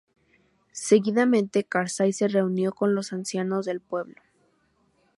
Seguidamente, Karzai se reunió con los ancianos del pueblo.